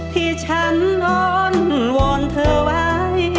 ที่ฉันล้นวอนเธอไว้